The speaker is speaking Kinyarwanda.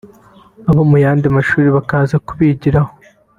abo mu yandi mashuri bakaza kubigiraho